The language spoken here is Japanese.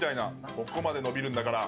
ここまで伸びるんだから。